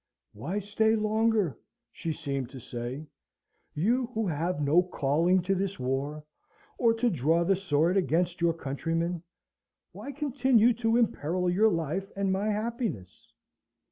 "Why stay longer?" she seemed to say. "You who have no calling to this war, or to draw the sword against your countrymen why continue to imperil your life and my happiness?"